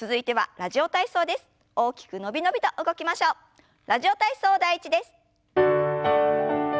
「ラジオ体操第１」です。